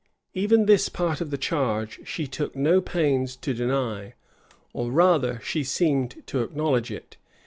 Even this part of the charge she took no pains to deny, or rather she seemed to acknowledge it.